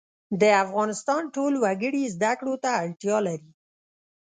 د افغانستان ټول وګړي زده کړو ته اړتیا لري